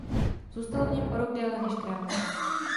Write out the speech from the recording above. Zůstal v něm o rok déle než král.